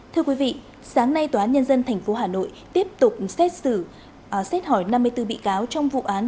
thưa quý vị sáng nay tòa án nhân dân tp hà nội tiếp tục xét xử xét hỏi năm mươi bốn bị cáo trong vụ án